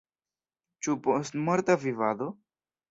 Ĉu postmorta vivado?